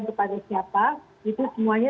kepada siapa itu semuanya